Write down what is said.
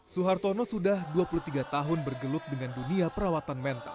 suhartono sudah dua puluh tiga tahun bergelut dengan dunia perawatan mental